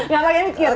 gak pake mikir